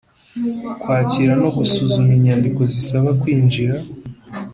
Kwakira no gusuzuma inyandiko zisaba kwinjira